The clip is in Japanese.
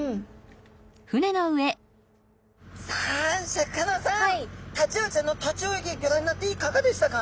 シャーク香音さまタチウオちゃんの立ち泳ぎギョ覧になっていかがでしたか？